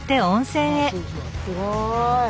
すごい。